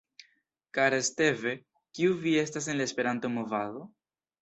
Kara Steve, kiu vi estas en la Esperanto-movado?